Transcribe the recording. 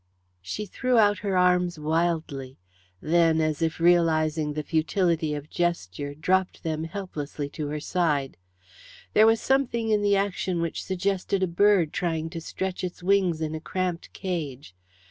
She threw her arms out wildly, then, as if realizing the futility of gesture, dropped them helplessly to her sides. There was something in the action which suggested a bird trying to stretch its wings in a cramped cage.